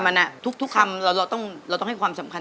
มันอ่ะทุกทุกคำเราต้องเราต้องให้ความสำคัญ